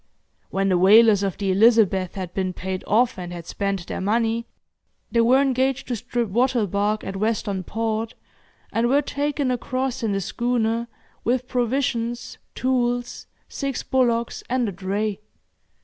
When the whalers of the 'Elizabeth' had been paid off, and had spent their money, they were engaged to strip wattle bark at Western Port, and were taken across in the schooner, with provisions, tools, six bullocks and a dray.